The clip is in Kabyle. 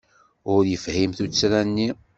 Ur yefhim tuttra-nni.